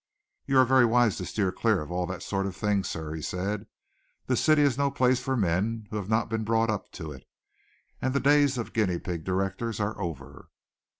"You are very wise to steer clear of all that sort of thing, sir," he said. "The city is no place for men who have not been brought up to it, and the days of guinea pig directors are over."